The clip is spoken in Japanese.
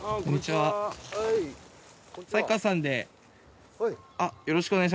はい。